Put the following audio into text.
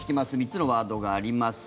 ３つのワードがあります。